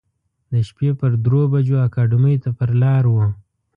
د شپې پر درو بجو اکاډمۍ ته پر لار و.